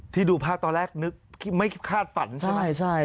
ที่ดูภาพตอนแรกไม่คาดฝันใช่ไหม